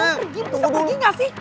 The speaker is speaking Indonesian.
aku pergi bisa pergi gak sih